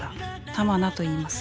玉名といいます。